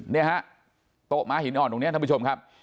เนี่ยฮะโต๊ะม้าหินอ่อนตรงนี้ท่านผู้ชมครับ